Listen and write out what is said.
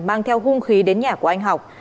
mang theo hung khí đến nhà của anh học